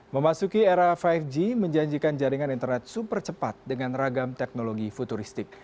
memasuki era lima g menjanjikan jaringan internet super cepat dengan ragam teknologi futuristik